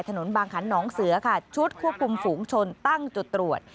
บางขันน้องเสือค่ะชุดควบคุมฝูงชนตั้งจุดตรวจ